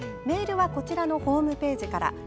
メールはこちらのホーページから。